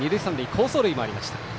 好走塁もありました。